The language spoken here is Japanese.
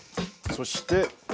そして。